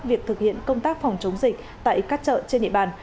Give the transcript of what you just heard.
việc thực hiện công tác phòng chống dịch tại các chợ trên địa bàn